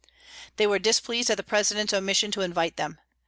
They were displeased at the President's omission to invite them.